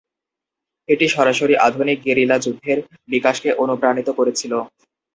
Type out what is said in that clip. এটি সরাসরি আধুনিক গেরিলা যুদ্ধের বিকাশকে অনুপ্রাণিত করেছিল।